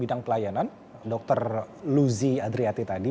bidang pelayanan dr luzi adriati tadi